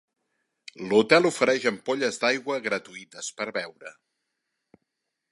L'hotel ofereix ampolles d'aigua gratuïtes per beure.